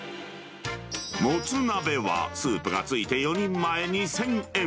もつ鍋は、スープが付いて４人前２０００円。